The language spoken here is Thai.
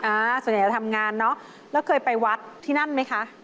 อ่าส่วนใหญ่จะทำงานเนอะแล้วเคยไปวัดที่นั่นไหมคะ